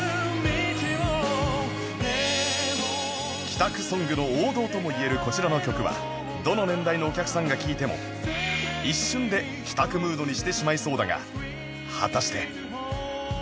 帰宅ソングの王道ともいえるこちらの曲はどの年代のお客さんが聴いても一瞬で帰宅ムードにしてしまいそうだが果たして